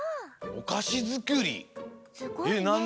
おかしづくり。